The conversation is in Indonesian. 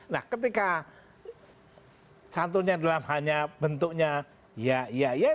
nah ketika santunnya dalam hanya bentuknya ya ya